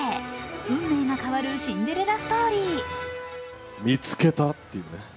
運命が変わるシンデレラストーリー。